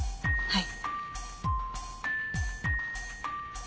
はい。